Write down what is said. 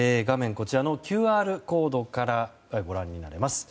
こちらのＱＲコードからご覧になれます。